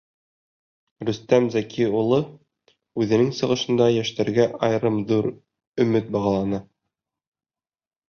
Рөстәм Зәки улы үҙенең сығышында йәштәргә айырым ҙур өмөт бағланы.